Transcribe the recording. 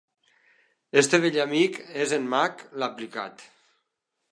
Aquest vell amic és en Mac, l'aplicat.